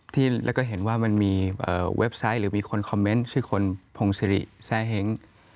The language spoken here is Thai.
ที่แล้วก็เห็นว่ามันมีเว็บไซต์หรือมีคนคอมเมนต์ชื่อคนพงศิริแซ่เห้ง